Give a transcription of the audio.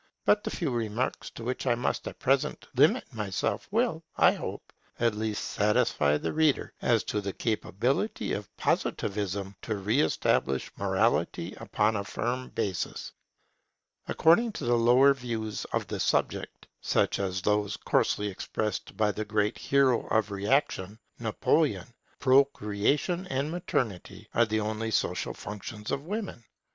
But the few remarks to which I must at present limit myself, will, I hope, at least satisfy the reader as to the capability of Positivism to re establish morality upon a firm basis. [Woman's mission as a wife. Conjugal love an education for universal sympathy] According to the lower views of the subject, such as those coarsely expressed by the great hero of reaction, Napoleon, procreation and maternity are the only social functions of Woman.